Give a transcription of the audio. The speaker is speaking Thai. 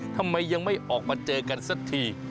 ทำไมยังไม่ออกมาเจอกันสักที